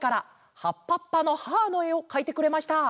「はっぱっぱのハーッ！」のえをかいてくれました。